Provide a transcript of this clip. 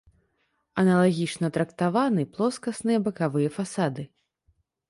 Аналагічна трактаваны плоскасныя бакавыя фасады.